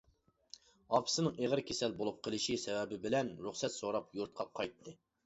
ئاپىسىنىڭ ئېغىر كېسەل بولۇپ قېلىشى سەۋەبى بىلەن رۇخسەت سوراپ يۇرتقا قايتتى .